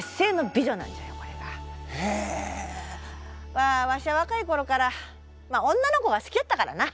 まあわしは若い頃から女の子が好きやったからな。